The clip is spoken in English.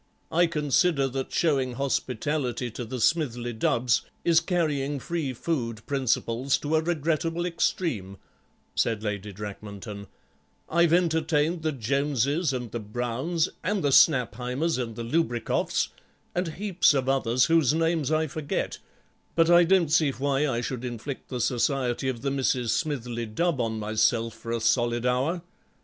"I consider that showing hospitality to the Smithly Dubbs is carrying Free Food principles to a regrettable extreme," said Lady Drakmanton; "I've entertained the Joneses and the Browns and the Snapheimers and the Lubrikoffs, and heaps of others whose names I forget, but I don't see why I should inflict the society of the Misses Smithly Dubb on myself for a solid hour.